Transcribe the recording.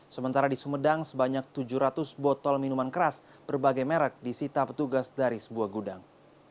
sementara di sumedang sebanyak tujuh ratus botol minuman keras berbagai merek disita petugas dari sebuah gudang